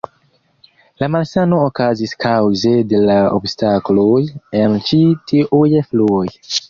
La malsano okazis kaŭze de la obstakloj en ĉi tiuj fluoj.